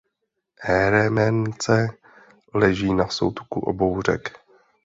Hérémence leží na soutoku obou řek.